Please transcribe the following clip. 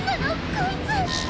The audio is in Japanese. こいつ。